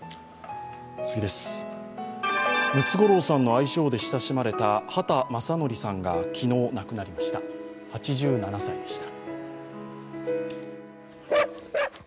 ムツゴロウさんの愛称で親しまれた畑正憲さんが昨日、亡くなりました８７歳でした。